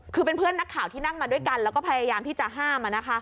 คือเป็นเพื่อนนักข่าวที่นั่งมาด้วยกันแล้วก็พยายามที่จะห้าม